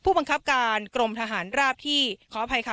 บังคับการกรมทหารราบที่ขออภัยค่ะ